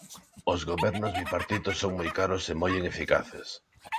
"Os gobernos bipartitos son moi caros e moi ineficaces".